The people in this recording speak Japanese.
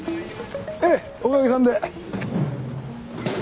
ええおかげさんで。